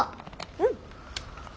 うん！